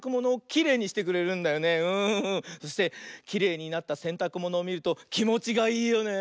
そしてきれいになったせんたくものをみるときもちがいいよね。